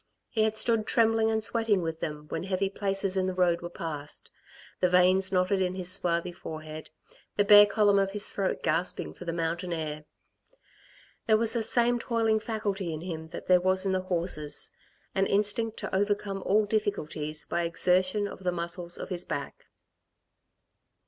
He had stood trembling and sweating with them when heavy places in the road were past, the veins knotted in his swarthy forehead, the bare column of his throat gasping for the mountain air. There was the same toiling faculty in him that there was in the horses an instinct to overcome all difficulties by exertion of the muscles of his back.